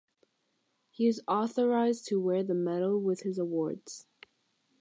He is authorized to wear the medal with his awards.